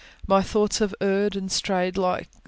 My thoughts have erred and strayed like